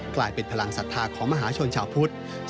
กลายเป็นพลังศรัทธาของมหาชนชาวพุทธ